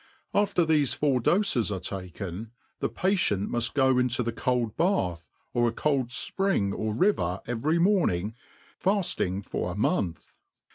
After thefe four doies are taken, the patient muf); go into the cold bath, or a cold fpring or riyer every morning faft ing for a month.